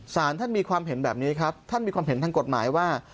สารท่านมีความเห็นแบบนี้ครับท่านมีความเห็นทางกฎหมายว่า